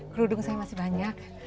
kerudung saya masih banyak